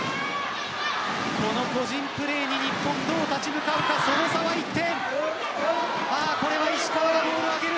この個人プレーに日本はどう立ち向かうかその差は１点。